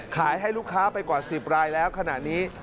ให้ลูกค้าไปกว่า๑๐รายแล้วขณะนี้